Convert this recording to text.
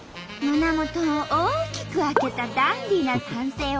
胸元を大きく開けたダンディーな男性を発見！